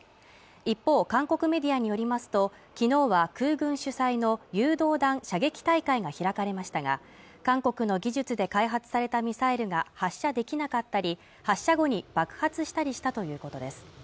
一方韓国メディアによりますときのうは空軍主催の誘導弾射撃大会が開かれましたが韓国の技術で開発されたミサイルが発射できなかったり発射後に爆発したりしたということです